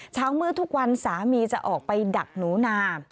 เช้ามืดทุกวันสามีจะออกไปดักหนูนา